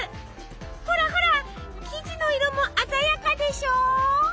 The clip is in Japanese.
ほらほら生地の色も鮮やかでしょ。